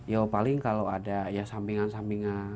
ya paling kalau ada ya sampingan sampingan